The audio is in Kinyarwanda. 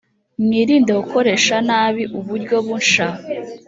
mwirinde gukoresha nabi uburyo bunsha.